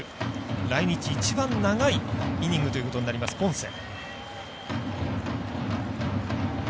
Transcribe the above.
来日一番長いイニングということになります、ポンセ。